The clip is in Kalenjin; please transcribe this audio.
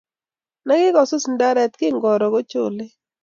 Nekikosus ndaret kingoro kocholei